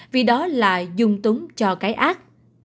vì đó là dùng túng cho cái ác